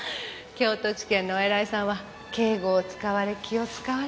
京都地検のお偉いさんは敬語を使われ気を使われ。